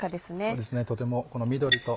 そうですねとてもこの緑と。